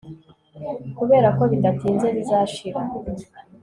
kuberako bidatinze bizashira